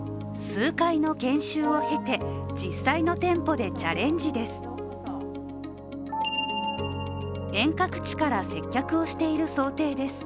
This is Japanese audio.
数回の研修を経て実際の店舗でチャレンジです。